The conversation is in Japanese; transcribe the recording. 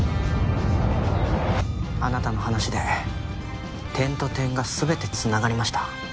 あなたの話で点と点が全て繋がりました。